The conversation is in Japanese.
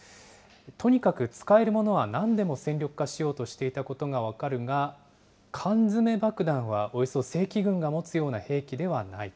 とにかく使えるものはなんでも戦力化しようとしていたことが分かるが、缶詰爆弾は、およそ正規軍が持つような兵器ではない。